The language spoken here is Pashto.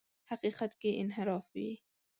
حقیقت کې انحراف وي.